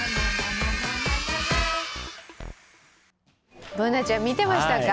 Ｂｏｏｎａちゃん、みてましたか？